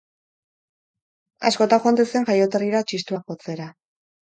Askotan joaten zen jaioterrira txistua jotzera.